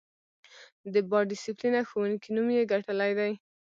د با ډسیپلینه ښوونکی نوم یې ګټلی دی.